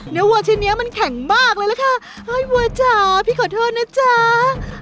วัวชิ้นนี้มันแข็งมากเลยล่ะค่ะเฮ้ยวัวจ๋าพี่ขอโทษนะจ๊ะ